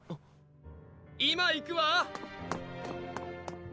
・今行くわ！